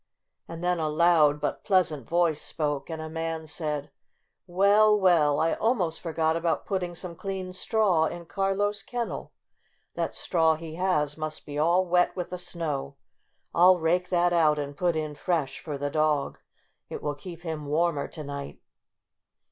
And then a loud but pleasant voice spoke, and a man said :' 'Well, well ! I almost forgot about put ting some clean straw in Carlo's kennel! That straw he has must be all wet with the snow. I'll rake that out and put in fresh for the dog. It will keep him warmer to night."